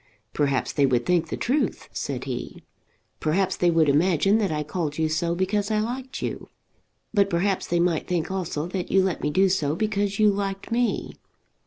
"Perhaps they would think the truth," said he. "Perhaps they would imagine that I called you so because I liked you. But perhaps they might think also that you let me do so because you liked me.